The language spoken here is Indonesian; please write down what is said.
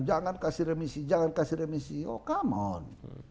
jangan kasih remisi jangan kasih remisi oh come on